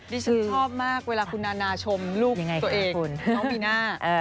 ดิฉันชอบมากเวลาคุณนานาชมลูกตัวเองน้องมีน่า